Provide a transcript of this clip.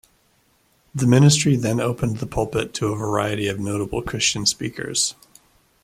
The ministry then opened the pulpit to a variety of notable Christian speakers.